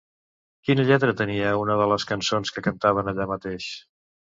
Quina lletra tenia una de les cançons que cantaven allà mateix?